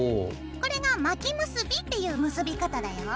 これが巻き結びっていう結び方だよ。